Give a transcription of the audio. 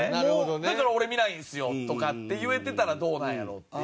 「だから俺見ないんすよ」とかって言えてたらどうなんやろう？っていう。